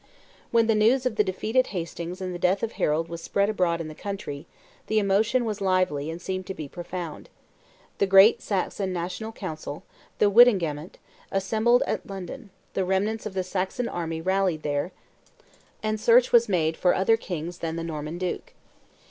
When the news of the defeat at Hastings and the death of Harold was spread abroad in the country, the emotion was lively and seemed to be profound; the great Saxon national council, the Wittenagemote, assembled at London; the remnants of the Saxon army rallied there; and search was made for other kings than the Norman duke.